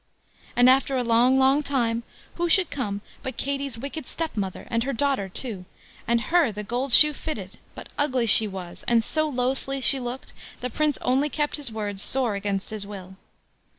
And after a long, long time, who should come but Katie's wicked stepmother, and her daughter, too, and her the gold shoe fitted; but ugly she was, and so loathly she looked, the Prince only kept his word sore against his will.